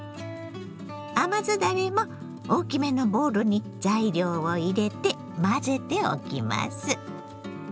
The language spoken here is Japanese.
甘酢だれも大きめのボウルに材料を入れて混ぜておきます。